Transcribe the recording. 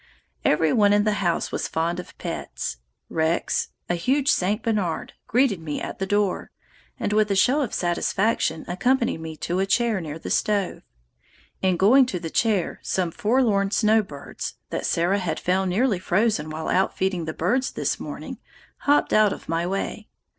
Every one in the house was fond of pets. Rex, a huge St. Bernard, greeted me at the door, and with a show of satisfaction accompanied me to a chair near the stove. In going to the chair some forlorn snowbirds, "that Sarah had found nearly frozen while out feeding the birds this morning," hopped out of my way.